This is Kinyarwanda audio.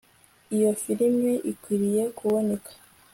iyo firime ikwiriye kuboneka